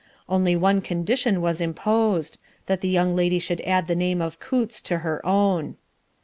Only one condition was imposed, that the young lady should add the name of Coutts to her own.